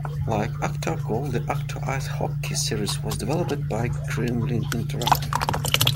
Like "Actua Golf", the "Actua Ice Hockey" series was developed by Gremlin Interactive.